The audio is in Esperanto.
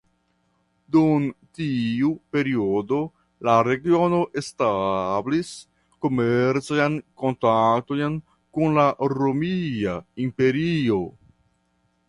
Dum tiu periodo la regiono establis komercajn kontaktojn kun la Romia Imperio.